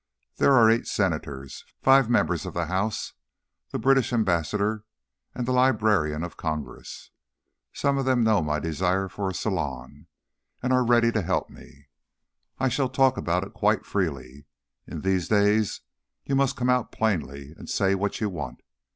There are eight Senators, five members of the House, the British Ambassador, and the Librarian of Congress. Some of them know my desire for a salon and are ready to help me. I shall talk about it quite freely. In these days you must come out plainly and say what you want.